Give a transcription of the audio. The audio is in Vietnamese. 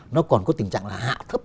nó còn có tình trạng là hạ thấp